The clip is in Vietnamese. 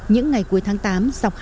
những ngày cuối tháng tám